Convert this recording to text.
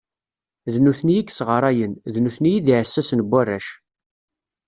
D nutni i yesɣarayen, d nutni i d iεessasen n warrac.